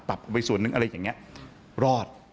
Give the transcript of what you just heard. ไปส่วนนึงอะไรอย่างนี้รอด